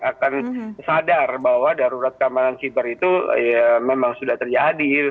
akan sadar bahwa darurat keamanan siber itu memang sudah terjadi